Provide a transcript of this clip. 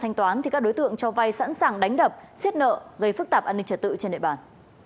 thanh toán thì các đối tượng cho vay sẵn sàng đánh đập xiết nợ gây phức tạp an ninh trật tự trên địa bàn